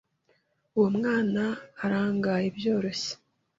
Uwo mwana arangaye byoroshye.